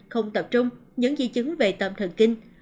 không tập trung những di chứng về tâm thần kinh